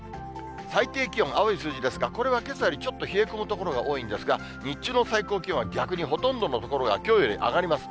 最低気温、青い数字ですが、これはけさよりちょっと冷え込む所が多いんですが、日中の最高気温は逆にほとんどの所がきょうより上がります。